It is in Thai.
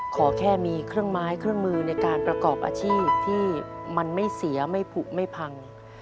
ขอแค่มีเครื่องไม้เครื่องมือในการประกอบอาชีพที่มันไม่เสียไม่ผูกไม่พัง